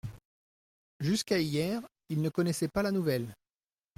Jusqu’à hier ils ne connaissaient pas la nouvelle.